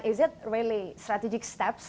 apakah itu benar benar langkah strategis